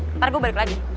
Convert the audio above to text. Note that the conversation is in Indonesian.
ntar gue balik lagi